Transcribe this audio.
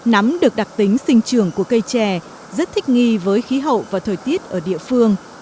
nắm được đặc tính sinh trường của cây trè rất thích nghi với khí hậu và thời tiết ở địa phương